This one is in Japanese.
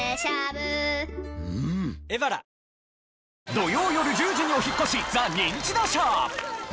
土曜よる１０時にお引っ越し『ザ・ニンチドショー』。